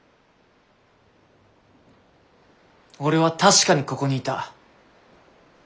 俺は確かにここにいた。